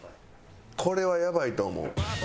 これはやばい思う。